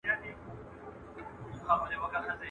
ته د انصاف تمه لا څنګه لرې؟.